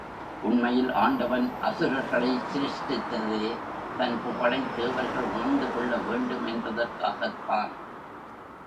உண்மையில் ஆண்டவன் அசுரர்களைச் சிருஷ்டித்ததே, தன் புகழைத் தேவர்கள் உணர்ந்து கொள்ள வேண்டுமென்பதற்காகத்தான்.